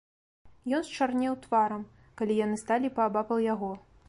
Ён счарнеў тварам, калі яны сталі паабапал яго.